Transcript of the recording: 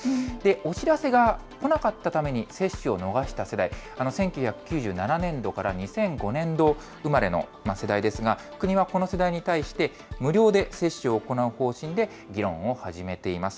お知らせが来なかったために接種を逃した世代、１９９７年度から２００５年度生まれの世代ですが、国はこの世代に対して、無料で接種を行う方針で議論を始めています。